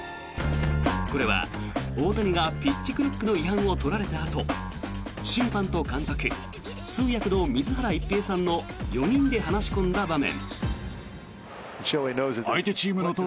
これは大谷がピッチクロックの違反を取られたあと審判と監督通訳の水原一平さんの４人で話し込んだ場面。